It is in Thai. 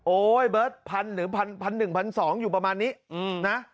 โอ้ยเบิร์ต๑๐๐๐๑๒๐๐อยู่ประมาณนี้นะ